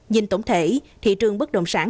trên tổng thể thị trường bất động sản